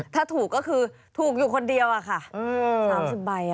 ถ้าถูกก็คือถูกอยู่คนเดียวอะค่ะ๓๐ใบ